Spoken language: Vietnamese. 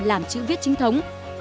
làm chữ viết chính thống